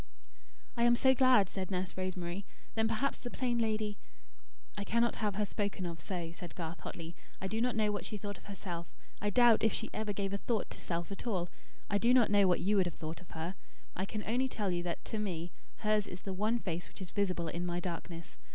"I am so glad," said Nurse Rosemary. "Then perhaps the plain lady " "I cannot have her spoken of so," said Garth, hotly. "I do not know what she thought of herself I doubt if she ever gave a thought to self at all. I do not know what you would have thought of her. I can only tell you that, to me, hers is the one face which is visible in my darkness.